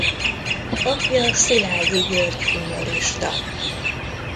Apja Szilágyi György humorista.